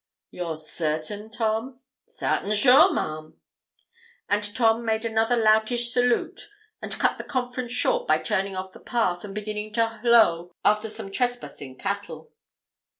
'You're certain, Tom?' 'Sartin sure, ma'am.' And Tom made another loutish salute, and cut the conference short by turning off the path and beginning to hollo after some trespassing cattle.